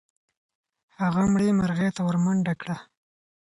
هغه مړې مرغۍ ته ورمنډه کړه.